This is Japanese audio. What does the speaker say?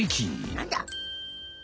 なんだ？